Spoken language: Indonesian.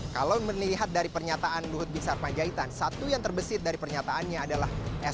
kalau menilihat dari pernyataan luhut bin sarpa jaitan satu yang terbesit dari pernyataannya adalah esensi